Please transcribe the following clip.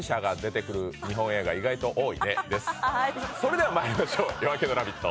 それではまいりましょう、「夜明けのラヴィット！」